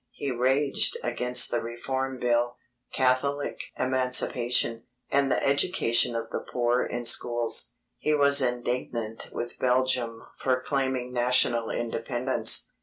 He raged against the Reform Bill, Catholic Emancipation, and the education of the poor in schools. He was indignant with Belgium for claiming national independence.